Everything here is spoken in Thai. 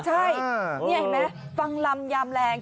ใช่นี่เห็นไหมฟังลำยามแรง